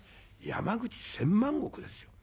山口千万石ですよ。